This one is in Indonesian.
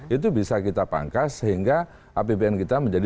itu bisa kita pangkas sehingga apbn kita menjadi